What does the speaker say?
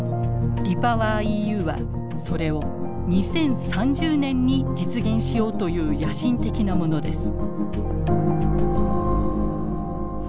はそれを２０３０年に実現しようという野心的なものです。